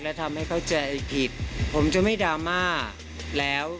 และทำให้เข้าใจผิดผมจะไม่ดราม่าแล้ว